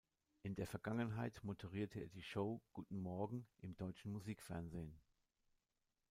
In der Vergangenheit moderierte er die Show "Guten Morgen" im Deutschen Musik Fernsehen.